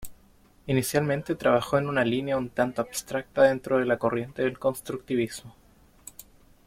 Inicialmente trabajó en una línea un tanto abstracta dentro de la corriente del constructivismo.